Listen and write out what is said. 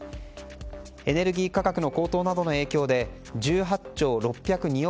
エネルギー価格の高騰などの影響で１８兆６０２億